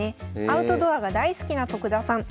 アウトドアが大好きな徳田さん。